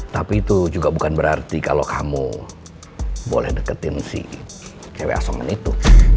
tapi itu juga bukan berarti kalau kamu boleh deketin si cewek asongan itu